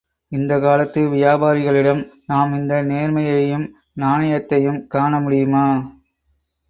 இந்தக் காலத்து வியாபாரிகளிடம் நாம் இந்த நேர்மையையும், நாணயத்தையும் காண முடியுமா?